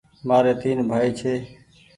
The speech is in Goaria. ماريٚ تين بهائي ڇي